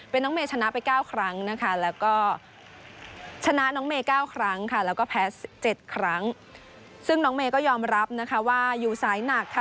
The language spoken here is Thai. เป็นน้องเมย์ชนะไป๙ครั้งนะคะแล้วก็ชนะน้องเมย์๙ครั้งค่ะแล้วก็แพ้๗ครั้งซึ่งน้องเมย์ก็ยอมรับนะคะว่าอยู่สายหนักค่ะ